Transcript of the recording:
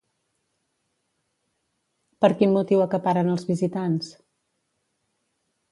Per quin motiu acaparen els visitants?